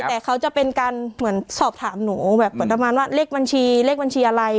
แต่เขาจะเป็นการเหมือนสอบถามหนูแบบเหมือนประมาณว่าเลขบัญชีเลขบัญชีอะไร